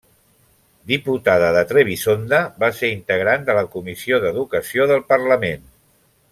Diputada de Trebisonda, va ser integrant de la comissió d'educació del parlament.